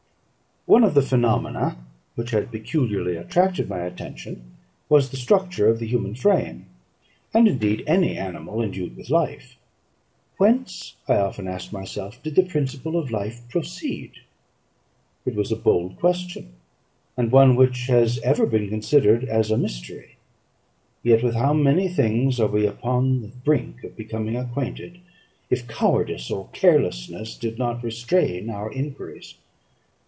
One of the phenomena which had peculiarly attracted my attention was the structure of the human frame, and, indeed, any animal endued with life. Whence, I often asked myself, did the principle of life proceed? It was a bold question, and one which has ever been considered as a mystery; yet with how many things are we upon the brink of becoming acquainted, if cowardice or carelessness did not restrain our enquiries.